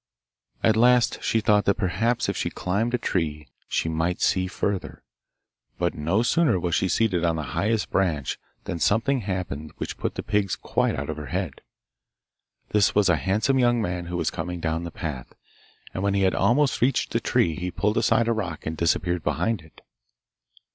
At last she thought that perhaps if she climbed a tree she might see further. But no sooner was she seated on the highest branch than something happened which put the pigs quite out of her head. This was a handsome young man who was coming down the path; and when he had almost reached the tree he pulled aside a rock and disappeared behind it.